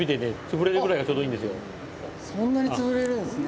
あそんなにつぶれるんですね